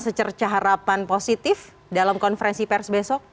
secerca harapan positif dalam konferensi pers besok